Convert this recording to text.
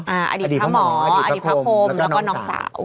อดีตพระหมออดีตพระคมแล้วก็น้องสาว